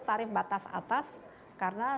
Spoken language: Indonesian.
tarif batas atas karena